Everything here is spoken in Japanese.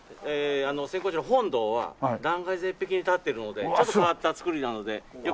千光寺の本堂は断崖絶壁に立ってるのでちょっと変わった造りなのでよかったら。